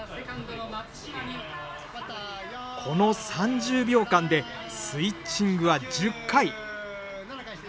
この３０秒間でスイッチングは１０回。